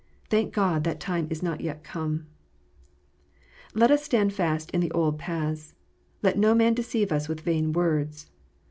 Thank God, that time is not yet come ! Let us stand fast in the old paths. Let no man deceive us with vain words.